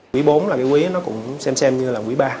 quý bốn là cái quý nó cũng xem xem như là quý ba